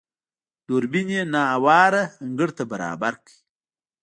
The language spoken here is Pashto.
دوربين يې نااواره انګړ ته برابر کړ.